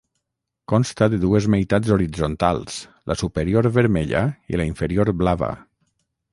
Consta de dues meitats horitzontals: la superior vermella i la inferior blava.